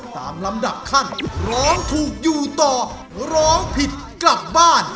ตามลำดับขั้นร้องถูกอยู่ต่อร้องผิดกลับบ้าน